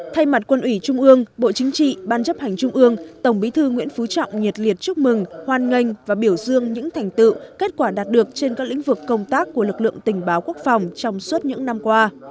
thay mặt quân ủy trung ương bộ chính trị ban chấp hành trung ương tổng bí thư nguyễn phú trọng nhiệt liệt chúc mừng hoan nghênh và biểu dương những thành tựu kết quả đạt được trên các lĩnh vực công tác của lực lượng tình báo quốc phòng trong suốt những năm qua